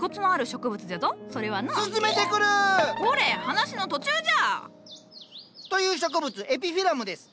話の途中じゃ！という植物エピフィラムです。